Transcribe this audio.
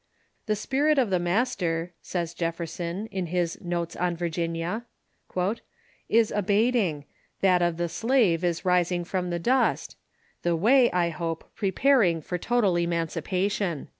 "The spirit of the master," says Jefferson, in his "Notes on Virginia," "is abating, that of the slave is rising from the dust ; the way, I hope, preparing for total emancipation."